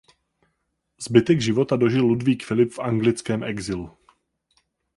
Zbytek života dožil Ludvík Filip v anglickém exilu.